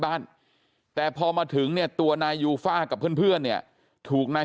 บ้านแต่พอมาถึงเนี่ยตัวนายยูฟ่ากับเพื่อนเนี่ยถูกนาย